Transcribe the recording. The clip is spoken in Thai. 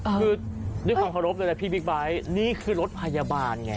คือด้วยความเคารพเลยแหละพี่บิ๊กไบท์นี่คือรถพยาบาลไง